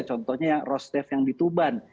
contohnya yang rostev yang dituban